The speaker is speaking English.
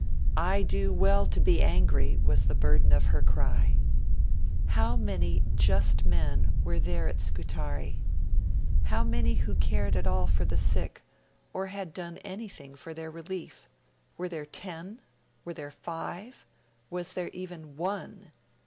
'I do well to be angry,' was the burden of her cry. 'How many just men were there at Scutari? How many who cared at all for the sick, or had done anything for their relief? Were there ten? Were there five? Was there even one?'